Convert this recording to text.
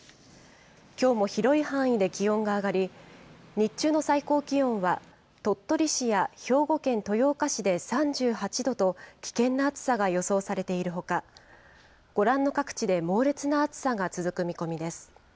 きょうも広い範囲で気温が上がり、日中の最高気温は、鳥取市や兵庫県豊岡市で３８度と危険な暑さが予想されているほか、ご覧の各地で猛烈な暑さが続く見込みです。